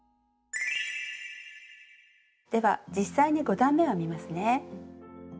では実際に５段めを編みますね。